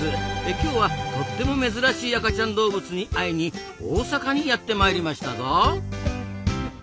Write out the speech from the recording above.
今日はとっても珍しい赤ちゃん動物に会いに大阪にやって参りましたぞ。